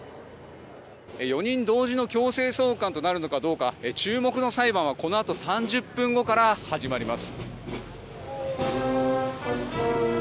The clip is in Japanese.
４人同時の強制送還となるのかどうか注目の裁判は、このあと３０分後から始まります。